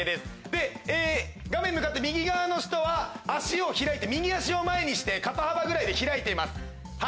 で画面向かって右側の人は足を開いて右足を前にして肩幅ぐらいで開いています。